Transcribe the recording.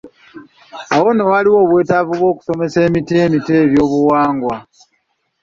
Awo nno waliwo obwetaavu bw’okusomesa emiti emito ebyobuwangwa..